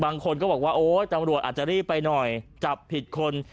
บางคนก็บอกว่าโอ๊ยตำรวจอาจจะรีบไปหน่อยจับผิดคน